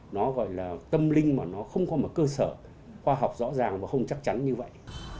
nó gọi là tâm linh mà nó không có một cơ sở khoa học rõ ràng và không chắc chắn như vậy